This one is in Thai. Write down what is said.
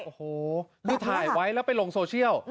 โอ้โหดูถ่ายไว้แล้วไปลงโซเชียล